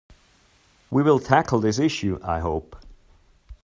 We will tackle this issue, I hope.